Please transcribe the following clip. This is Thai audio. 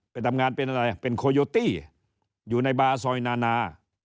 ไปทำงานเป็นอะไรเป็นโคโยตี้อยู่ในบาร์ซอยนานา